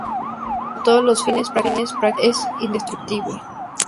A todos los fines prácticos, es indestructible.